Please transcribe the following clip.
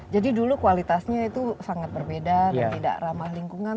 jadi dulu kualitasnya itu sangat berbeda dan tidak ramah lingkungan